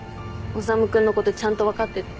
修君のことちゃんと分かってて。